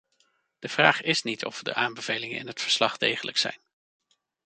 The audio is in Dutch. De vraag is niet of de aanbevelingen in het verslag degelijk zijn.